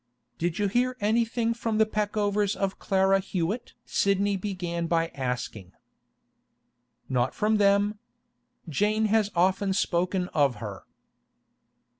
'Did you hear anything from the Peckovers of Clara Hewett?' Sidney began by asking. 'Not from them. Jane has often spoken of her.